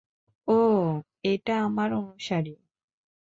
ওহ, এটা আমার অনুসারী।